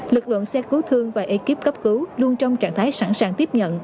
lực lượng xe cứu thương và ekip cấp cứu luôn trong trạng thái sẵn sàng tiếp nhận